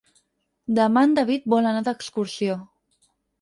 Demà en David vol anar d'excursió.